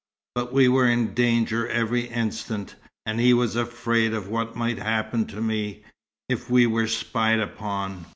but we were in danger every instant, and he was afraid of what might happen to me, if we were spied upon.